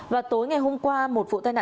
vào tối ngày hôm qua một vụ tai nạn